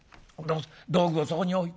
道具をそこに置いて。